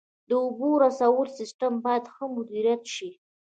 د اوبو رسولو سیستم باید ښه مدیریت شي.